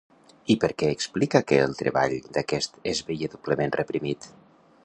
I per què explica que el treball d'aquest es veié doblement reprimit?